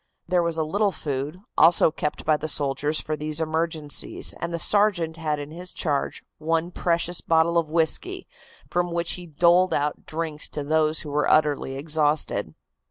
There was a little food, also kept by the soldiers for these emergencies, and the sergeant had in his charge one precious bottle of whisky, from which he doled out drinks to those who were utterly exhausted.